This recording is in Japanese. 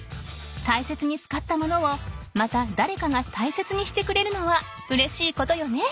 大切に使った物をまただれかが大切にしてくれるのはうれしいことよね。